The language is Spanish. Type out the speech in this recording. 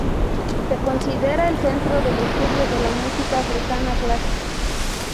Se considera el centro del estudio de la música africana clásica.